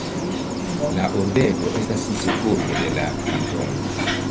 La urbego estas ĉefurbo de la kantono.